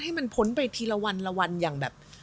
ให้มันพ้นไปทีละวันละวัน